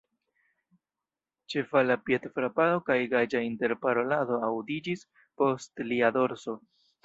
Ĉevala piedfrapado kaj gaja interparolado aŭdiĝis post lia dorso.